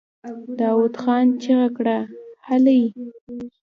داوود خان چيغه کړه! هلئ!